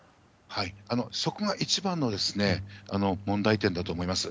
そこが一番の問題点だと思います。